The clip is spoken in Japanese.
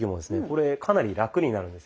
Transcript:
これかなりラクになるんですよ。